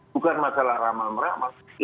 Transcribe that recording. bukan masalah ramal ramal